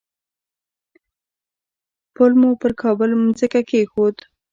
پل مو پر کابل مځکه کېښود.